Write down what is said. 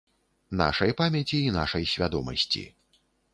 Нашай памяці і нашай свядомасці.